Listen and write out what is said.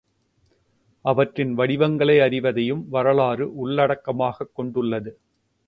அவற்றின் வடிவங்களை அறிவதையும் வரலாறு உள்ளடக்கமாகக் கொண்டுள்ளது.